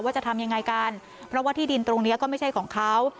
จะทำยังไงกันเพราะว่าที่ดินตรงนี้ก็ไม่ใช่ของเขา